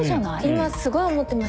今すごい思ってました。